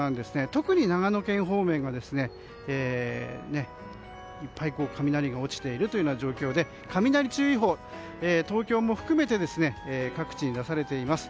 特に長野県方面がいっぱい雷が落ちている状況で雷注意報、東京も含めて各地に出されています。